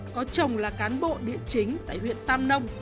có chồng là cán bộ địa chính tại huyện tam nông